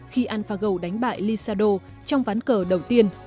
khi alphago đánh bại lysado trong ván cờ đầu tiên